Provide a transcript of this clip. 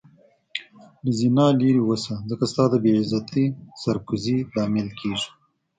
له زنا لرې اوسه ځکه ستا د بی عزتي سر کوزي لامل کيږې